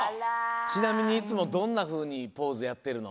ちなみにいつもどんなふうにポーズやってるの？